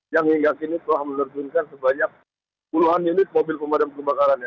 yang hingga kini telah menerjunkan sebanyak puluhan unit mobil pemadam kebakaran